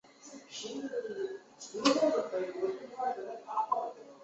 伊拉蒂是巴西巴拉那州的一个市镇。